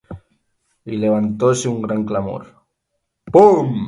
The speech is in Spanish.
Y levantóse un gran clamor: